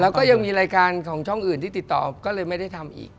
แล้วก็ยังมีรายการของช่องอื่นที่ติดต่อก็เลยไม่ได้ทำอีก